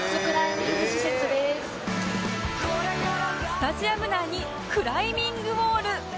スタジアム内にクライミングウォール